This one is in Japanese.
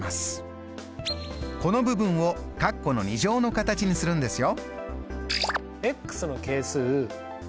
この部分をカッコの２乗の形にするんですよ。